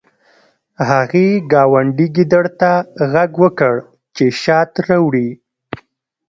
هغې ګاونډي ګیدړ ته غږ وکړ چې شات راوړي